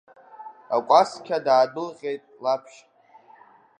Акәасқьа даадәылҟьеит Лаԥшь.